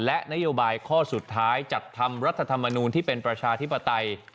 และนโยบายข้อสุดท้ายจัดทำรัฐธรรมนูลที่เป็นประชาธิปไตย